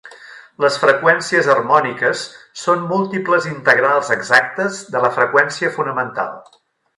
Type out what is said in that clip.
Les freqüències harmòniques són múltiples integrals exactes de la freqüència fonamental.